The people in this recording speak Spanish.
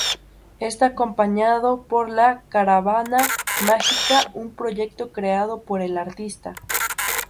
Está acompañado por "La Caravana Mágica", un proyecto creado por el artista.